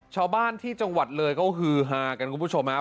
ชาวบ้านที่จังหวัดเลยเขาฮือฮากันคุณผู้ชมครับ